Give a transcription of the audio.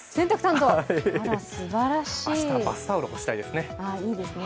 明日はバスタオルを干したいですね。